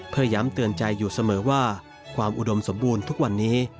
เพื่อย้ำเตือนใจอยู่เสมอว่าความอุดมสมบูรณ์ทุกวันนี้